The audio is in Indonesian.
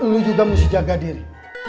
dulu juga mesti jaga diri